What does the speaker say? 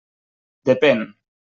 Depèn.